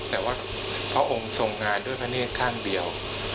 แต่ว่าพระองค์ทรงงานด้วยพระเนธข้างเดียว